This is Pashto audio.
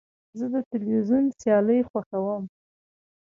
زه د تلویزیون سیالۍ خوښوم.